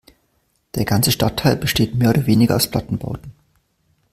Der ganze Stadtteil besteht mehr oder weniger aus Plattenbauten.